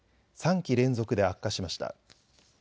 ３期連続で悪化しました。